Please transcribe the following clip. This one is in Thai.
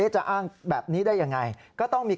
จะอ้างแบบนี้ได้อย่างไร